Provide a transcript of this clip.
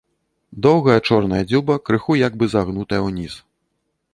Доўгая чорная дзюба крыху як бы загнутая ўніз.